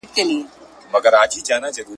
بریالیو ته پرېماني خزانې وې ..